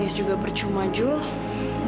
nangis juga bercuma jules